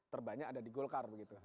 terbanyak ada di golkar